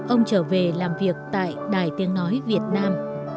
ông trở về làm việc tại đài tiếng nói việt nam